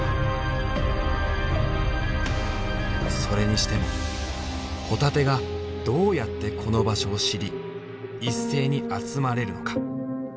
それにしてもホタテがどうやってこの場所を知り一斉に集まれるのか？